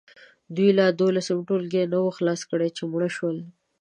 دوی لا دولسم ټولګی نه وو خلاص کړی چې مړه شول.